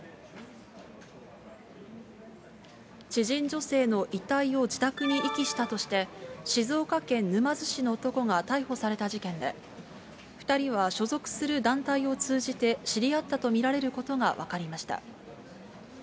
知人女性の遺体を自宅に遺棄したとして、静岡県沼津市の男が逮捕された事件で、２人は所属する団体を通じて知り合ったと見られることが分かりました。